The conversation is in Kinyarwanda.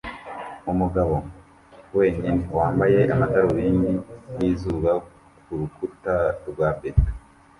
umugabo wenyine wambaye amadarubindi yizuba ku rukuta rwa beto